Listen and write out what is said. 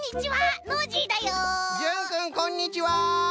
じゅんくんこんにちは！